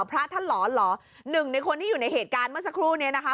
พระท่านหลอนเหรอหนึ่งในคนที่อยู่ในเหตุการณ์เมื่อสักครู่นี้นะคะ